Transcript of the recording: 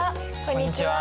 こんにちは。